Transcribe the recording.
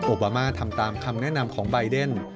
บามาทำตามคำแนะนำของใบเดน